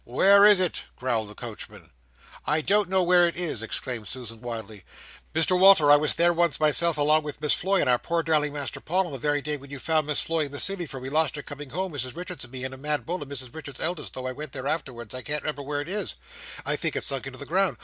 WHERE IS IT?" growled the coachman. "I don't know where it is!" exclaimed Susan, wildly. "Mr Walter, I was there once myself, along with Miss Floy and our poor darling Master Paul, on the very day when you found Miss Floy in the City, for we lost her coming home, Mrs Richards and me, and a mad bull, and Mrs Richards's eldest, and though I went there afterwards, I can't remember where it is, I think it's sunk into the ground.